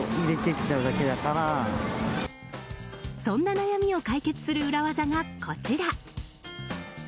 そんな悩みを解決する裏技がこちら。